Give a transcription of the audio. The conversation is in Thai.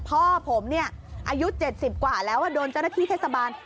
พ่อผมเนี่ยอายุ๗๐กว่าแล้วโดนเจ้าหน้าที่เทศบาล